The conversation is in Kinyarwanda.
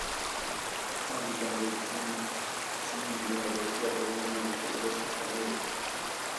Itandukaniro ry’imitsindire hagati y’abahungu n’abakobwa si kamere.